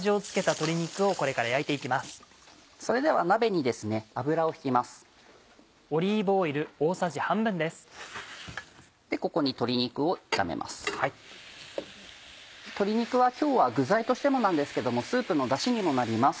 鶏肉は今日は具材としてもなんですけどもスープのダシにもなります。